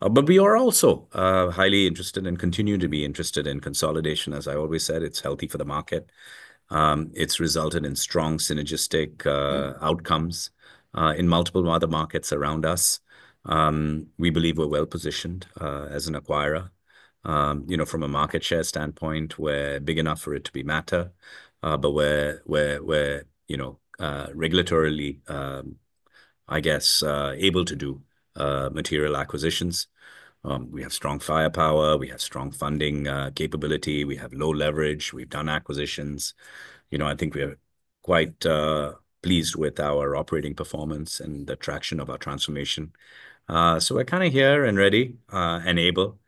But we are also highly interested and continue to be interested in consolidation. As I always said, it's healthy for the market. It's resulted in strong synergistic outcomes in multiple other markets around us. We believe we're well positioned, as an acquirer, you know, from a market share standpoint where big enough for it to be matter, but where, you know, regulatorily, I guess, able to do material acquisitions. We have strong firepower. We have strong funding capability. We have low leverage. We've done acquisitions. You know, I think we are quite pleased with our operating performance and the traction of our transformation. So we're kind of here and ready, enable,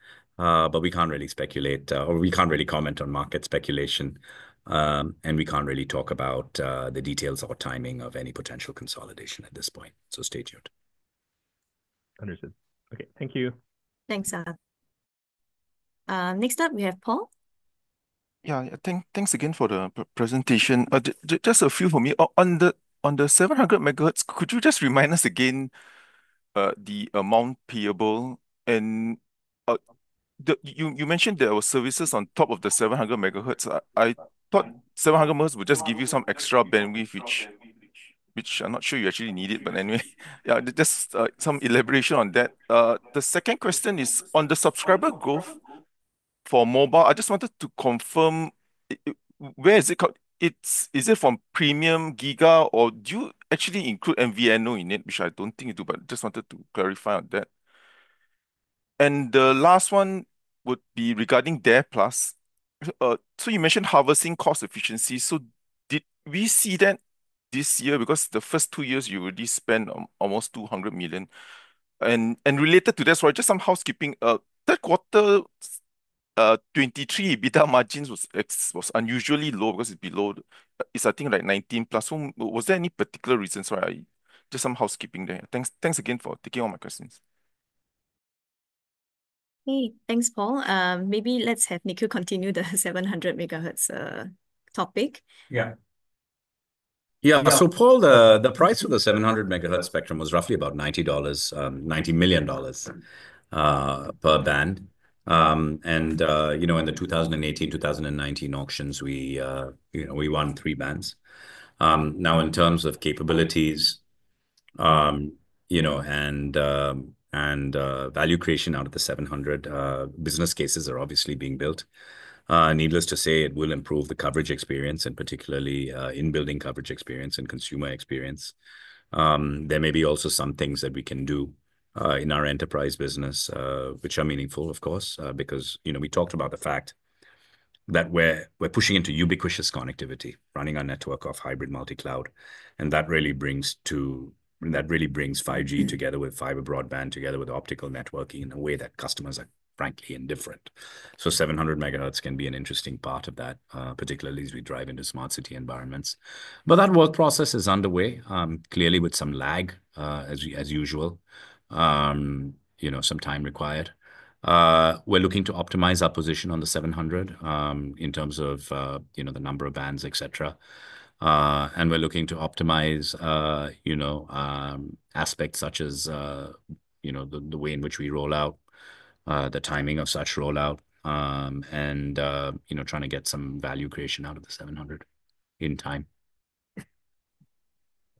but we can't really speculate, or we can't really comment on market speculation. And we can't really talk about the details or timing of any potential consolidation at this point. So stay tuned. Understood. Okay. Thank you. Thanks, Arthur. Next up, we have Paul. Yeah. Thanks, thanks again for the presentation. Just a few for me. On the 700 MHz, could you just remind us again the amount payable and the, you mentioned there were services on top of the 700 MHz. I thought 700 MHz would just give you some extra bandwidth, which I'm not sure you actually need it, but anyway, yeah, just some elaboration on that. The second question is on the subscriber growth for mobile. I just wanted to confirm, where is it called? It's, is it from Premium, giga!, or do you actually include MVNO in it, which I don't think you do, but I just wanted to clarify on that. And the last one would be regarding DARE+. So you mentioned harvesting cost efficiency. So did we see that this year? Because the first two years you really spent almost 200 million. Related to that, so just some housekeeping. Third quarter 2023 EBITDA margins were unusually low because it is below, I think like 19%. So was there any particular reasons why? Just some housekeeping there? Thanks again for taking all my questions. Hey, thanks, Paul. Maybe let's have Nikhil continue the 700 MHz topic. Yeah. Yeah. So Paul, the price for the 700 MHz spectrum was roughly about 90 million dollars per band. And you know, in the 2018, 2019 auctions, you know, we won three bands. Now in terms of capabilities, you know, and value creation out of the 700, business cases are obviously being built. Needless to say, it will improve the coverage experience and particularly in-building coverage experience and consumer experience. There may be also some things that we can do in our Enterprise business, which are meaningful, of course, because you know, we talked about the fact that we're pushing into ubiquitous connectivity, running our network of hybrid multi-cloud. And that really brings 5G together with fiber broadband, together with optical networking in a way that customers are frankly indifferent. 700 MHz can be an interesting part of that, particularly as we drive into smart city environments. But that work process is underway, clearly with some lag, as we, as usual, you know, some time required. We're looking to optimize our position on the 700, in terms of, you know, the number of bands, et cetera. And we're looking to optimize, you know, aspects such as, you know, the way in which we roll out, the timing of such rollout, and, you know, trying to get some value creation out of the 700 in time.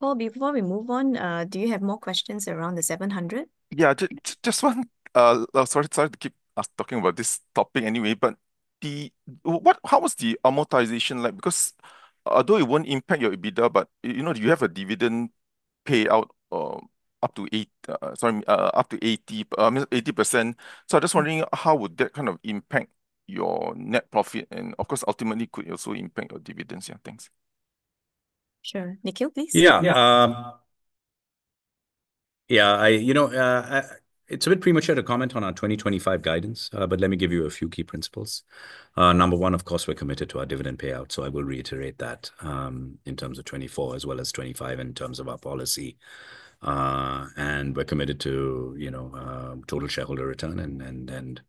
Paul, before we move on, do you have more questions around the 700? Yeah, just one. I'll start to keep us talking about this topic anyway, but what, how was the amortization like? Because although it won't impact your EBITDA, but you know, do you have a dividend payout up to eight, sorry, up to 80, I mean, 80%? So I'm just wondering how would that kind of impact your net profit? And of course, ultimately could also impact your dividends. Yeah, thanks. Sure. Nikhil, please. Yeah, yeah, you know, it's a bit premature to comment on our 2025 guidance, but let me give you a few key principles. Number one, of course, we're committed to our dividend payout. So I will reiterate that, in terms of 2024 as well as 2025 in terms of our policy, and we're committed to, you know, total shareholder return and,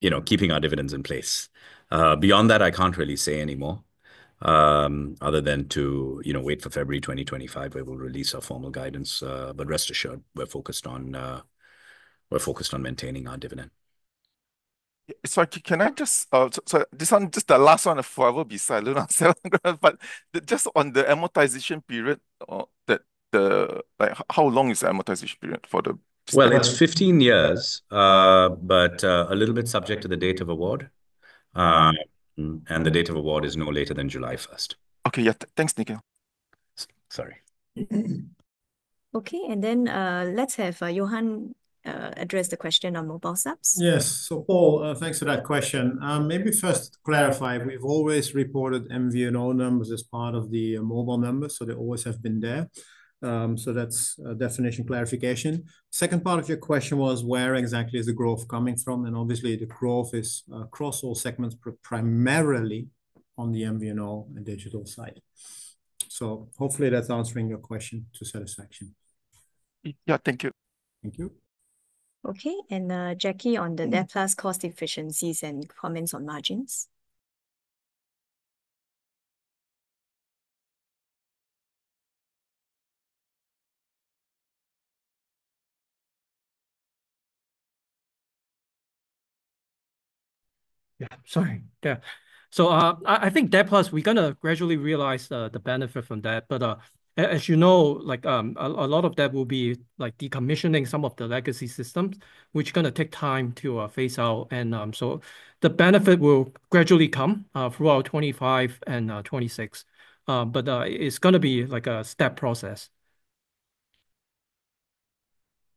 you know, keeping our dividends in place. Beyond that, I can't really say anymore, other than to, you know, wait for February 2025, where we'll release our formal guidance, but rest assured, we're focused on maintaining our dividend. This one, just the last one for which I will be silent on, but just on the amortization period, like, how long is the amortization period for the? It's 15 years, but a little bit subject to the date of award. And the date of award is no later than July 1st. Okay. Yeah. Thanks, Nikhil. Sorry. Okay, and then let's have Johan address the question on Mobile subs. Yes. So Paul, thanks for that question. Maybe first clarify, we've always reported MVNO numbers as part of the Mobile numbers, so they always have been there. So that's a definition clarification. Second part of your question was where exactly is the growth coming from? And obviously the growth is across all segments, primarily on the MVNO and digital side. So hopefully that's answering your question to satisfaction. Yeah. Thank you. Thank you. Okay. Jacky, on the DARE+ cost efficiencies and comments on margins? Yeah. Sorry. Yeah, so I think DARE+, we're going to gradually realize the benefit from that. But as you know, like, a lot of that will be like decommissioning some of the legacy systems, which is going to take time to phase out, and so the benefit will gradually come throughout 2025 and 2026, but it's going to be like a step process.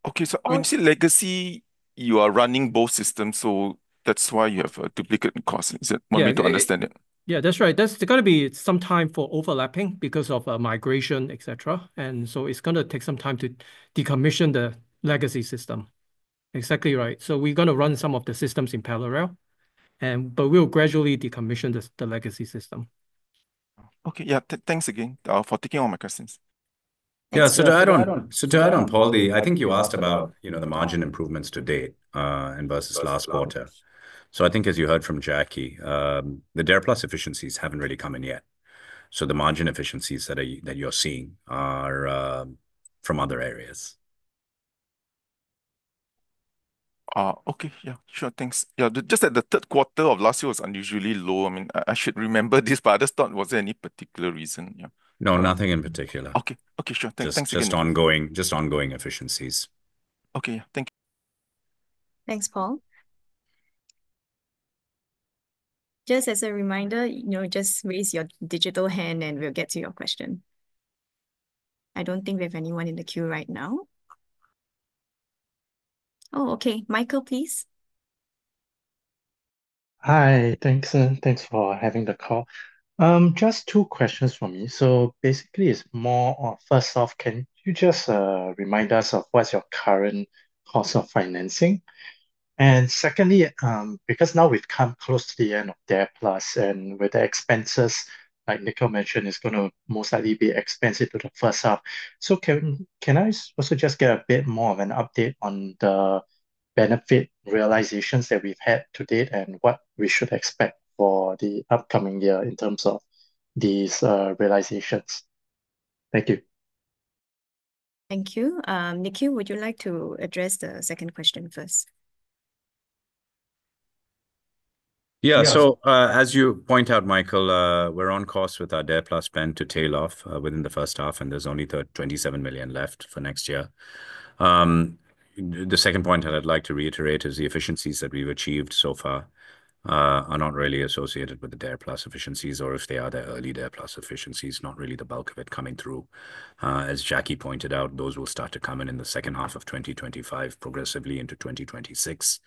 Okay. So I see legacy, you are running both systems. So that's why you have a duplicate cost. Is it? Want me to understand it? Yeah, that's right. That's going to be some time for overlapping because of migration, et cetera. And so it's going to take some time to decommission the legacy system. Exactly right. So we're going to run some of the systems in parallel and, but we'll gradually decommission the legacy system. Okay. Yeah. Thanks again, for taking all my questions. Yeah. To add on, Paul, I think you asked about, you know, the margin improvements to date, and versus last quarter. So I think as you heard from Jacky, the DARE+ efficiencies haven't really come in yet. So the margin efficiencies that you're seeing are from other areas. Okay. Yeah. Sure. Thanks. Yeah. Just that the third quarter of last year was unusually low. I mean, I should remember this, but I just thought, was there any particular reason? Yeah. No, nothing in particular. Okay. Okay. Sure. Thanks. Just ongoing efficiencies. Okay. Yeah. Thank you. Thanks, Paul. Just as a reminder, you know, just raise your digital hand and we'll get to your question. I don't think we have anyone in the queue right now. Oh, okay. Michael, please. Hi. Thanks. Thanks for having the call. Just two questions for me. So basically, it's more of, first off, can you just remind us of what's your current cost of financing? And secondly, because now we've come close to the end of DARE+ and with the expenses, like Nikhil mentioned, it's going to most likely be expensive to the first half. So can I also just get a bit more of an update on the benefit realizations that we've had to date and what we should expect for the upcoming year in terms of these realizations? Thank you. Thank you. Nikhil, would you like to address the second question first? Yeah. So, as you point out, Michael, we're on course with our DARE+ spend to tail off within the first half, and there's only 27 million left for next year. The second point that I'd like to reiterate is the efficiencies that we've achieved so far are not really associated with the DARE+ efficiencies, or if they are the early DARE+ efficiencies, not really the bulk of it coming through. As Jacky pointed out, those will start to come in in the second half of 2025, progressively into 2026.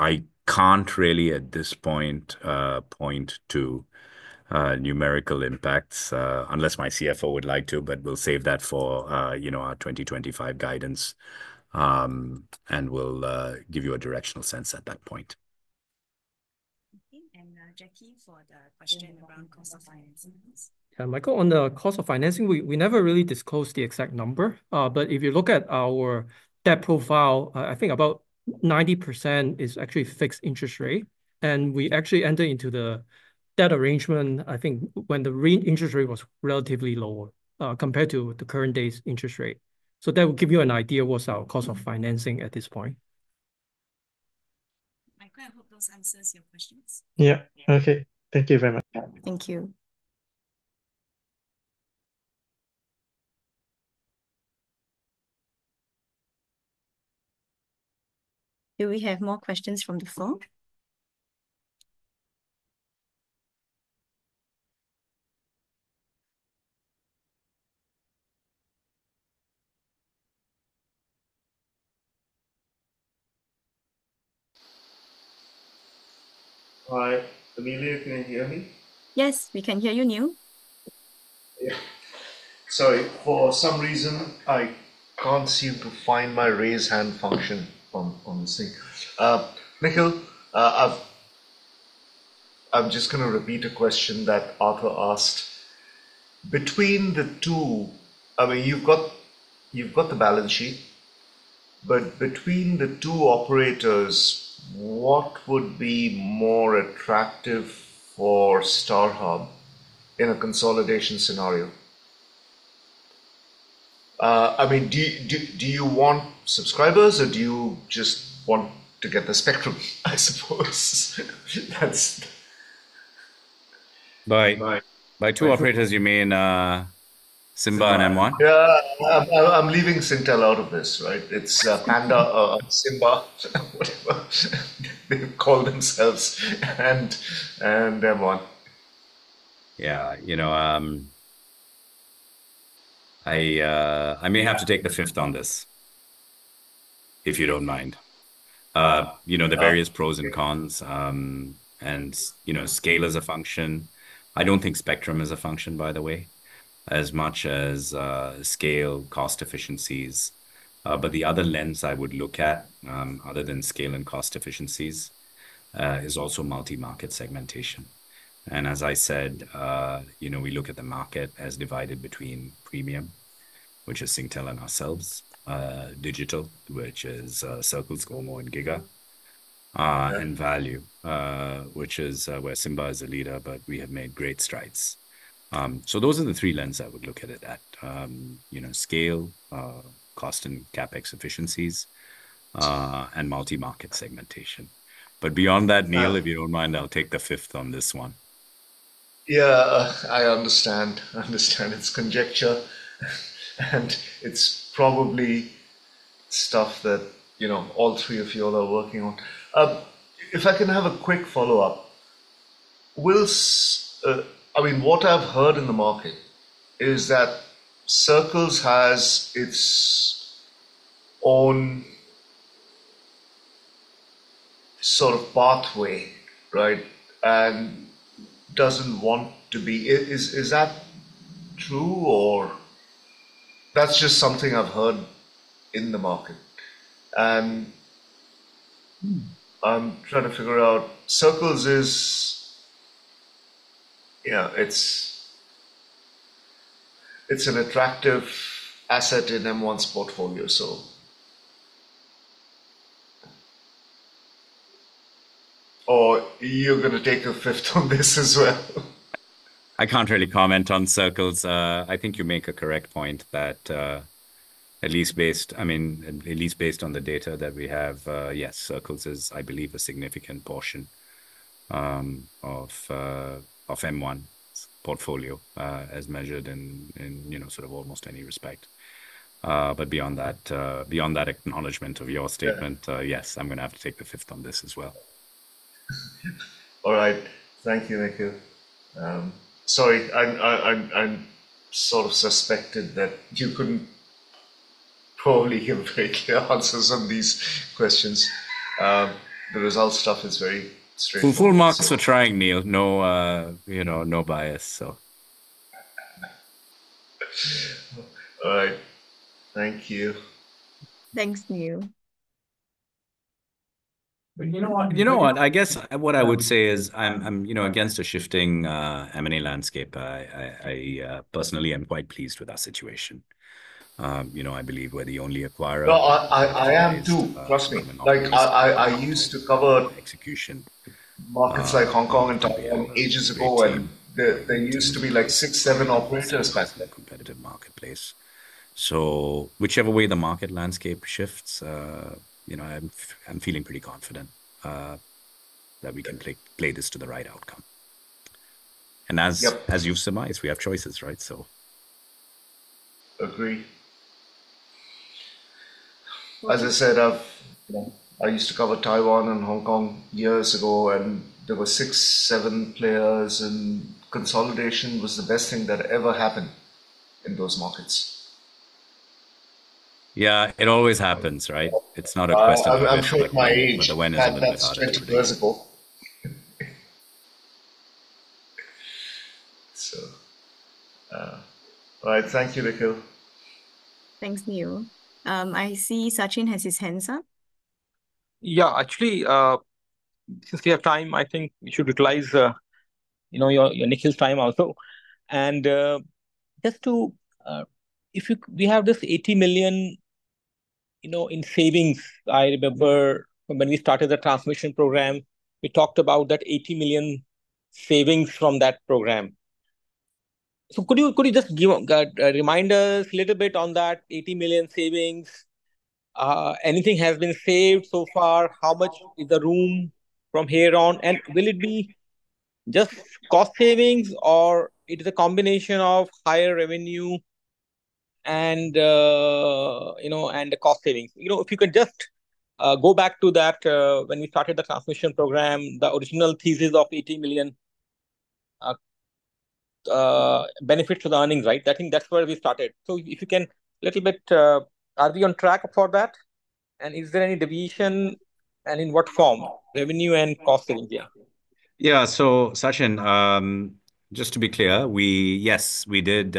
I can't really at this point point to numerical impacts, unless my CFO would like to, but we'll save that for, you know, our 2025 guidance. And we'll give you a directional sense at that point. Okay. And, Jacky, for the question around cost of financing. Yeah. Michael, on the cost of financing, we never really disclosed the exact number. But if you look at our debt profile, I think about 90% is actually fixed interest rate. And we actually entered into the debt arrangement, I think when the real interest rate was relatively lower, compared to the current day's interest rate. So that will give you an idea of what's our cost of financing at this point. Michael, I hope that answers your questions. Yeah. Okay. Thank you very much. Thank you. Do we have more questions from the phone? Hi, Amelia, can you hear me? Yes, we can hear you, Neel. Yeah. Sorry. For some reason, I can't seem to find my raise hand function on the screen. Nikhil, I'm just going to repeat a question that Arthur asked. Between the two, I mean, you've got the balance sheet, but between the two operators, what would be more attractive for StarHub in a consolidation scenario? I mean, do you want subscribers or do you just want to get the spectrum, I suppose? That's. By two operators, you mean, SIMBA and M1? Yeah. I'm leaving Singtel out of this, right? It's Panda or SIMBA, whatever they call themselves, and M1. Yeah. You know, I may have to take the fifth on this, if you don't mind. You know, the various pros and cons, and, you know, scale as a function. I don't think spectrum is a function, by the way, as much as scale, cost efficiencies, but the other lens I would look at, other than scale and cost efficiencies, is also multi-market segmentation. And as I said, you know, we look at the market as divided between premium, which is Singtel and ourselves, digital, which is Circles, GOMO, and giga!, and Value, which is where SIMBA is a leader, but we have made great strides, so those are the three lens I would look at it at, you know, scale, cost and CapEx efficiencies, and multi-market segmentation, but beyond that, Neel, if you don't mind, I'll take the fifth on this one. Yeah. I understand, I understand it's conjecture and it's probably stuff that, you know, all three of you all are working on. If I can have a quick follow-up, well, I mean, what I've heard in the market is that Circles has its own sort of pathway, right? And doesn't want to be, is, is that true or that's just something I've heard in the market? And I'm trying to figure out Circles is, yeah, it's, it's an attractive asset in M1's portfolio. So, or you're going to take a fifth on this as well? I can't really comment on Circles. I think you make a correct point that, at least based, I mean, at least based on the data that we have, yes, Circles is, I believe, a significant portion of M1's portfolio, as measured in, you know, sort of almost any respect. But beyond that, beyond that acknowledgement of your statement, yes, I'm going to have to take the fifth on this as well. All right. Thank you, Nikhil. Sorry, I sort of suspected that you couldn't probably give great answers on these questions. The results stuff is very strange. Full marks for trying, Neel. No, you know, no bias, so. All right. Thank you. Thanks, Neel. But you know what, I guess what I would say is I'm, you know, against a shifting M&A landscape. I personally am quite pleased with our situation. You know, I believe we're the only acquirer. No, I am too. Trust me. Like I used to cover execution markets like Hong Kong and Taipei ages ago, and there used to be like six, seven operators back then. in the competitive marketplace. So whichever way the market landscape shifts, you know, I'm feeling pretty confident that we can play this to the right outcome. And as you've surmised, we have choices, right? So. Agree. As I said, I used to cover Taiwan and Hong Kong years ago, and there were six, seven players, and consolidation was the best thing that ever happened in those markets. Yeah. It always happens, right? It's not a question of when. I'm sure at my age. Yeah. It's 20 years ago. So, all right. Thank you, Nikhil. Thanks, Neel. I see Sachin has his hands up. Yeah. Actually, since we have time, I think we should utilize, you know, your, your Nikhil's time also. And just to, if you, we have this 80 million, you know, in savings. I remember when we started the transformation program, we talked about that 80 million savings from that program. So could you, could you just give a reminders a little bit on that 80 million savings? Anything has been saved so far? How much is the room from here on? And will it be just cost savings or it is a combination of higher revenue and, you know, and the cost savings? You know, if you could just, go back to that, when we started the transformation program, the original thesis of 80 million, benefits to the earnings, right? I think that's where we started. So if you can a little bit, are we on track for that? And is there any deviation and in what form? Revenue and cost savings. Yeah. Yeah. So Sachin, just to be clear, we, yes, we did,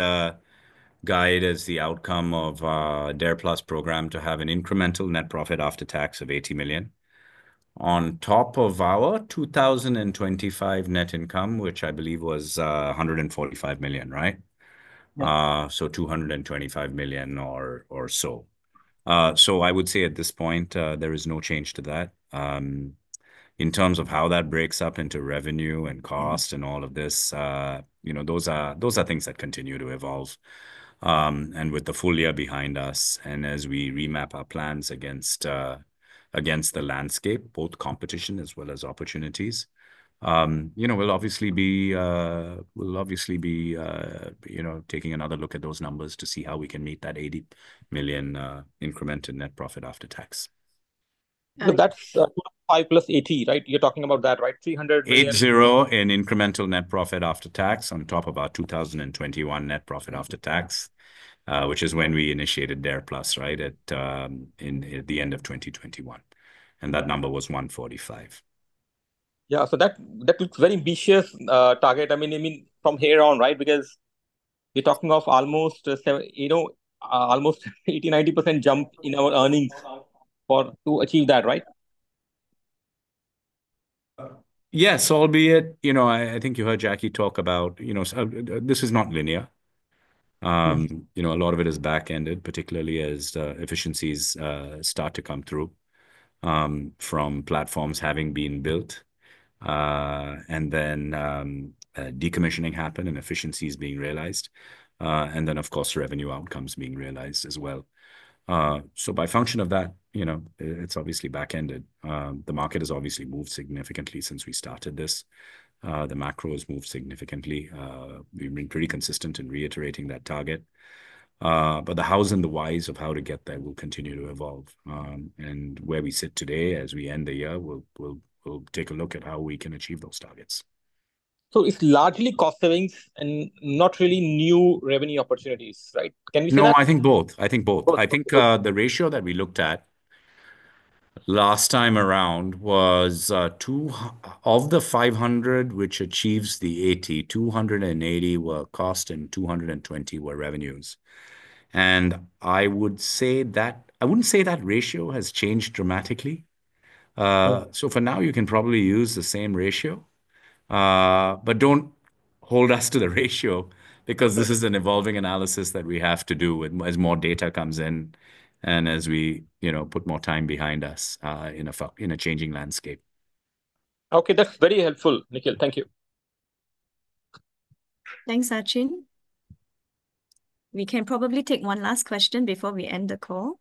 guide as the outcome of our DARE+ program to have an incremental net profit after tax of 80 million on top of our 2025 net income, which I believe was, 145 million, right? So 225 million or so. So I would say at this point, there is no change to that. In terms of how that breaks up into revenue and cost and all of this, you know, those are things that continue to evolve. And with the full year behind us and as we remap our plans against the landscape, both competition as well as opportunities, you know, we'll obviously be, you know, taking another look at those numbers to see how we can meet that 80 million, incremental net profit after tax. So that's 225 plus 80, right? You're talking about that, right? 300 million. 80 million in incremental net profit after tax on top of our 2021 net profit after tax, which is when we initiated DARE+, right, at the end of 2021, and that number was 145 million. Yeah, so that looks very ambitious target. I mean, from here on, right? Because we're talking of almost seven, you know, almost 80%-90% jump in our earnings for to achieve that, right? Yeah. So albeit, you know, I think you heard Jacky talk about, you know, this is not linear. You know, a lot of it is backended, particularly as efficiencies start to come through, from platforms having been built, and then decommissioning happened and efficiencies being realized, and then of course revenue outcomes being realized as well. So by function of that, you know, it's obviously backended. The market has obviously moved significantly since we started this. The macro has moved significantly. We've been pretty consistent in reiterating that target. But the how's and the whys of how to get there will continue to evolve. And where we sit today as we end the year, we'll take a look at how we can achieve those targets. So it's largely cost savings and not really new revenue opportunities, right? Can we say? No, I think both. I think both. I think the ratio that we looked at last time around was two of the 500 million, which achieves the 80 million, 280 million were cost and 220 million were revenues. And I would say that I wouldn't say that ratio has changed dramatically. So for now you can probably use the same ratio, but don't hold us to the ratio because this is an evolving analysis that we have to do with as more data comes in and as we, you know, put more time behind us, in a changing landscape. Okay. That's very helpful, Nikhil. Thank you. Thanks, Sachin. We can probably take one last question before we end the call.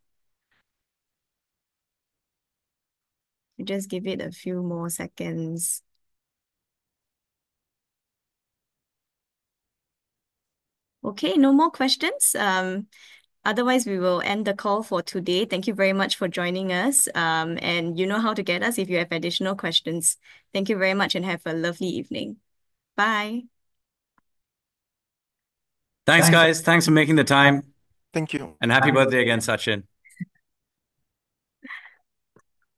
Just give it a few more seconds. Okay. No more questions. Otherwise we will end the call for today. Thank you very much for joining us, and you know how to get us if you have additional questions. Thank you very much and have a lovely evening. Bye. Thanks, guys. Thanks for making the time. Thank you. Happy birthday again, Sachin.